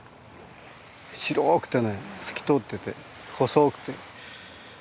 白くてね透き通ってて細くて。